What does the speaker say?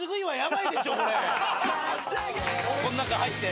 ・こん中入って。